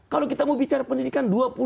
kalau kita mau bicara pendidikan